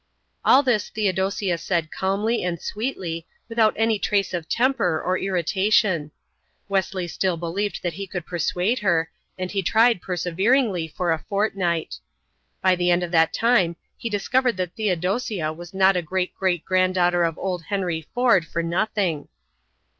All this Theodosia said calmly and sweetly, without any trace of temper or irritation. Wesley still believed that he could persuade her and he tried perseveringly for a fortnight. By the end of that time he discovered that Theodosia was not a great great granddaughter of old Henry Ford for nothing.